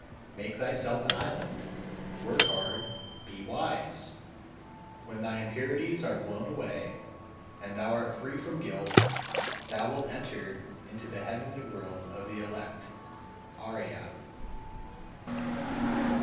236. Make thyself an island, work hard, be wise! When thy impurities are blown away, and thou art free from guilt, thou wilt enter into the heavenly world of the elect (Ariya).